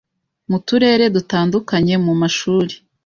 mu turere dutandukanye, mu mashuri,